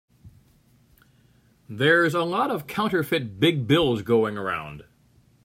There's a lot of counterfeit big bills going around.